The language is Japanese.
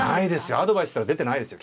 アドバイスしたら出てないですよ